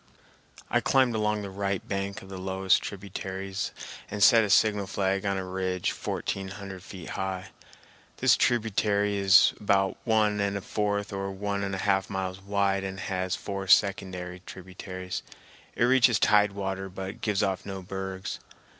I climbed along the right bank of the lowest of the tributaries and set a signal flag on a ridge fourteen hundred feet high. This tributary is about one and a fourth or one and a half miles wide and has four secondary tributaries. It reaches tide water but gives off no bergs.